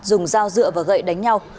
dùng dao dựa và gậy đánh nhau